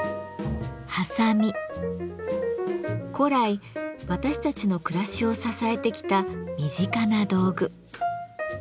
古来私たちの暮らしを支えてきた身近な道具。